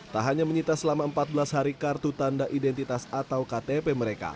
tak hanya menyita selama empat belas hari kartu tanda identitas atau ktp mereka